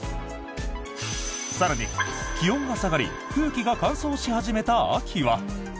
更に、気温が下がり空気が乾燥し始めた秋は。